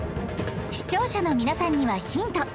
視聴者の皆さんにはヒント